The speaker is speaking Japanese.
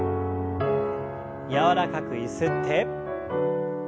柔らかくゆすって。